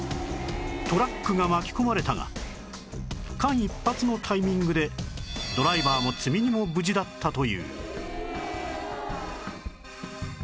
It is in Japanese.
トラックが巻き込まれたが間一髪のタイミングでドライバーも積み荷も無事だったという